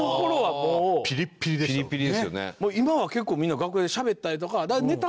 もう今は結構みんな楽屋でしゃべったりとかは。